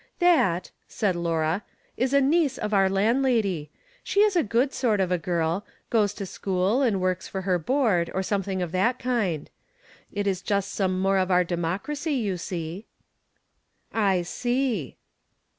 " That," said Laura, " is a niece of our land lady. She is a good sort of a girl ; goes to school, and works for her board, or something of that kind. It is just some more of our democracy, you see." " I see."